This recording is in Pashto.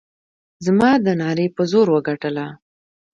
زما د نعرې په زور وګټله.